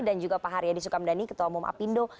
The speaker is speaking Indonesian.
dan juga pak haryadi sukamdhani ketua umum apindo